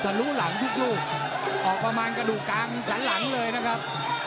ลุหลังทุกลูกออกประมาณกระดูกกลางสันหลังเลยนะครับ